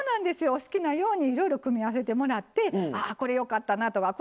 お好きな料理いろいろ組み合わせてもらってこれよかったなとか